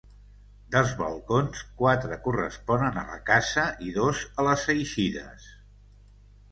Dels balcons, quatre corresponen a la casa i dos a les eixides.